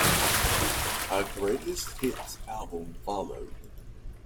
A "Greatest Hits" album followed.